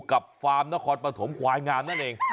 ฟาร์มนครปฐมควายงามนั่นเอง